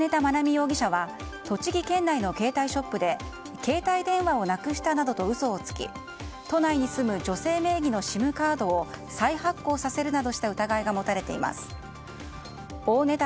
容疑者は栃木県内の携帯ショップで携帯電話をなくしたなどと嘘をつき都内に住む女性名義のＳＩＭカードを再発行させるなどした疑いが持たれています。